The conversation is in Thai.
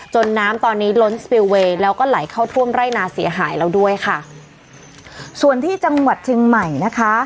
น้ำตอนนี้ล้นสปิลเวย์แล้วก็ไหลเข้าท่วมไร่นาเสียหายแล้วด้วยค่ะส่วนที่จังหวัดเชียงใหม่นะคะ